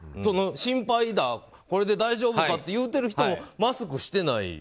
心配だこれで大丈夫かって言うてる人もマスクしてない。